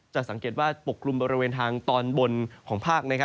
จะสังเกตว่าปกกลุ่มบริเวณทางตอนบนของภาค